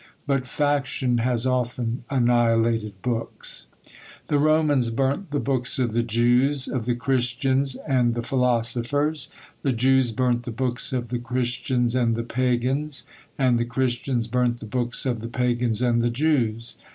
But Faction has often annihilated books. The Romans burnt the books of the Jews, of the Christians, and the Philosophers; the Jews burnt the books of the Christians and the Pagans; and the Christians burnt the books of the Pagans and the Jews.